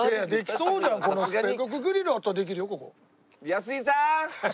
安井さーん！